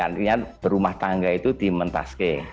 artinya berumah tangga itu dimentaske